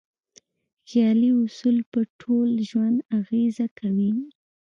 خیالي اصول په ټول ژوند اغېزه کوي.